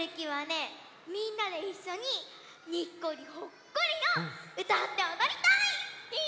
みんなでいっしょに「にっこりほっこり」をうたっておどりたい！